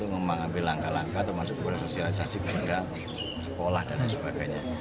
untuk mengambil langkah langkah termasuk kualitas sosialisasi kemudian sekolah dan sebagainya